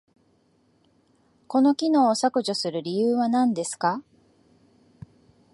この機能を削除する理由は何ですか？